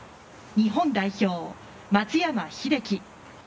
日本代表、松山英樹。